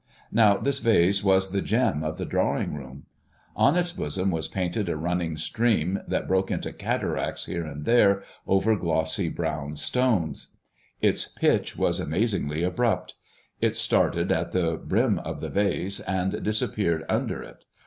Now, this vase was the gem of the drawing room. On its bosom was painted a running stream that broke into cataracts here and there over glossy brown stones. Its pitch was amazingly abrupt. It started at the brim of the vase and disappeared under it.